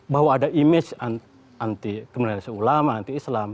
bahwa ada image anti kriminalisasi ulama anti islam